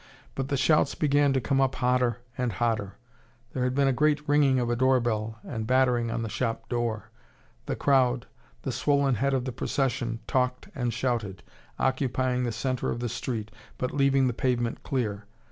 But the shouts began to come up hotter and hotter. There had been a great ringing of a door bell and battering on the shop door. The crowd the swollen head of the procession talked and shouted, occupying the centre of the street, but leaving the pavement clear.